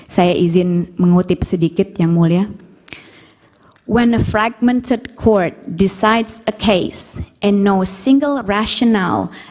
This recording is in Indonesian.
saya izin mengutip sedikit yang mulia